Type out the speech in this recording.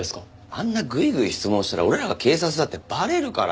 あんなぐいぐい質問したら俺らが警察だってバレるから。